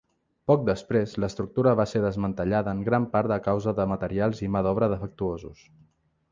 Poc després, l'estructura va ser desmantellada en gran part a causa de materials i mà d'obra defectuosos.